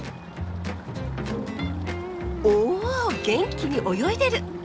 元気に泳いでる！